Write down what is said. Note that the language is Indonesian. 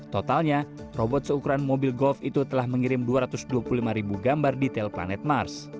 totalnya robot seukuran mobil golf itu telah mengirim dua ratus dua puluh lima ribu gambar detail planet mars